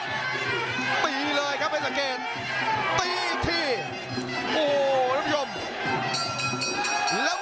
ตีเลยครับเพชรสาเกตตีทีโอ้ณพยวม